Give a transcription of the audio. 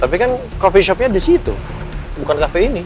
tapi kan coffee shopnya di situ bukan kafe ini